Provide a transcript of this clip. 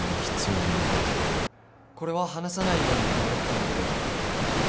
これは話さないようにって言われてたんだけど。